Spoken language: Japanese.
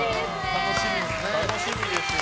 楽しみですね。